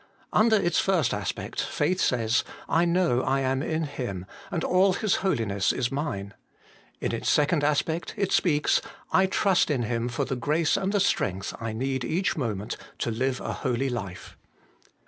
Under its first aspect faith says, I know I am in Him, and all His Holiness is mine ; in its second aspect it speaks, I trust in Him for the grace and the strength I need each moment to live a holy life.